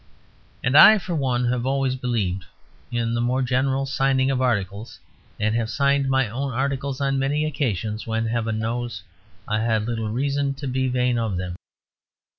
And I, for one, have always believed in the more general signing of articles, and have signed my own articles on many occasions when, heaven knows, I had little reason to be vain of them.